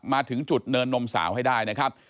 มาถึงจุดเนินนมสาวให้ได้นะครับ